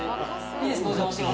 いいですかお邪魔しても。